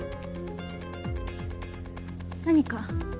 何か？